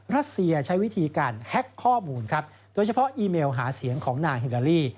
รัสเซียใช้วิธีการแฮ็กข้อมูลครับโดยเฉพาะอีเมลหาเสียงของนางฮิลาลี